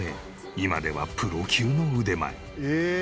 今ではプロ級の腕前。